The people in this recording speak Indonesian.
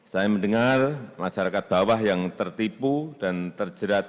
saya mendengar masyarakat bawah yang tertipu dan terjerat